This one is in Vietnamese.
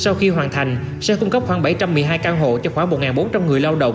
sau khi hoàn thành sẽ cung cấp khoảng bảy trăm một mươi hai căn hộ cho khoảng một bốn trăm linh người lao động